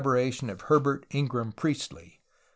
of Herbert Ingram Priestley.